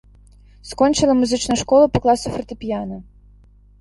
Скончыла музычную школу па класу фартэпіяна.